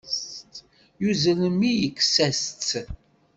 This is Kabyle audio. Yuzzel mmi yekkes-as-tt.